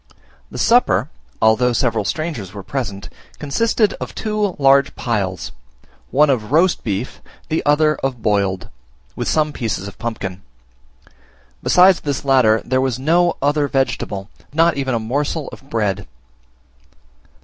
The supper, although several strangers were present, consisted of two huge piles, one of roast beef, the other of boiled, with some pieces of pumpkin: besides this latter there was no other vegetable, and not even a morsel of bread.